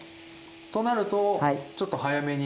となるとちょっと早めに。